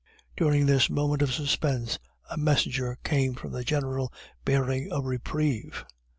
During this moment of suspense a messenger came from the General bearing a reprieve.